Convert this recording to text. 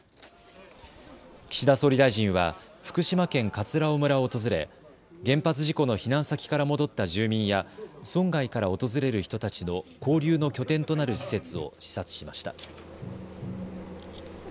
岸田総理大臣は福島県葛尾村を訪れ原発事故の避難先から戻った住民や村外から訪れる人たちの交流の拠点となる施設を視察しました。